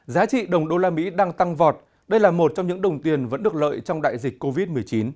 giá trị đồng đô la mỹ đang tăng vọt đây là một trong những đồng tiền vẫn được lợi trong đại dịch covid một mươi chín